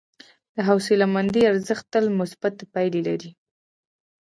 د حوصلهمندي ارزښت تل مثبتې پایلې لري.